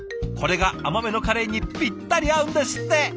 これが甘めのカレーにぴったり合うんですって。